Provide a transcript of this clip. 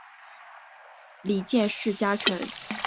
里见氏家臣。